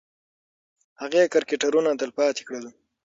هغې کرکټرونه تلپاتې کړل.